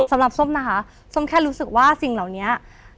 สำหรับส้มนะคะส้มแค่รู้สึกว่าสิ่งเหล่านี้